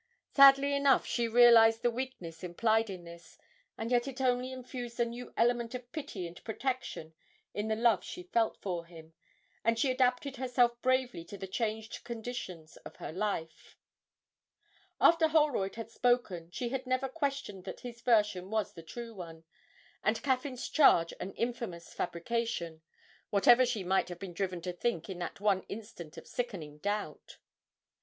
Sadly enough she realised the weakness implied in this, and yet it only infused a new element of pity and protection in the love she felt for him, and she adapted herself bravely to the changed conditions of her life. After Holroyd had spoken, she had never questioned that his version was the true one, and Caffyn's charge an infamous fabrication whatever she might have been driven to think in that one instant of sickening doubt.